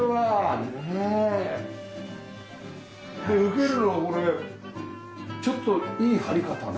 で受けるのはこれちょっといい張り方ね。